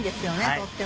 とっても。